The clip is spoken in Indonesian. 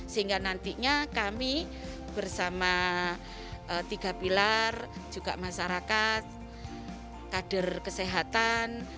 sehingga nantinya kami bersama tiga pilar juga masyarakat kader kesehatan